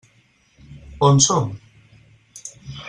On som?